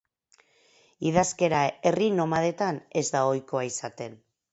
Idazkera herri nomadetan ez da ohikoa izaten.